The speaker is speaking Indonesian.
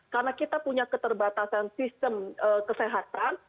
karena kita punya keterbatasan sistem kesehatan